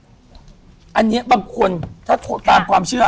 อันนี้บางคนถ้าตามความเชื่อ